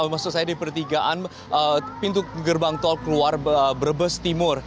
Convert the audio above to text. maksud saya di pertigaan pintu gerbang tol keluar brebes timur